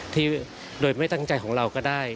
ที่โดยไม่ตั้งใจของเราก็ได้